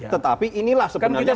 tetapi inilah sebenarnya menjadi